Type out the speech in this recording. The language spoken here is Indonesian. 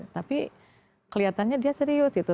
tapi kelihatannya dia serius gitu